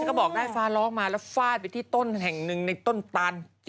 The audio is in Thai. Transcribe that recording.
ก็บอกได้ฟ้าร้องมาแล้วฟาดไปที่ต้นแห่งหนึ่งในต้นตัน